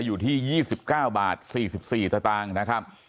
อยู่ที่๒๙บาท๔๔สตางค์นะครับ